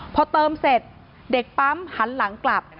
พอเติมเสร็จเด็กปั๊มหันหลังกลับ